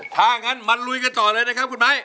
ถ้างั้นมาลุยกันต่อเลยนะครับคุณไม้